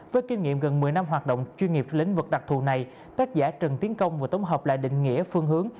với kinh nghiệm gần một mươi năm hoạt động chuyên nghiệp lĩnh vực đặc thù này tác giả trần tiến công vừa tổng hợp lại định nghĩa phương hướng